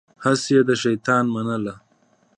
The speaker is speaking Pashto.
هسې يې د شيطان منله.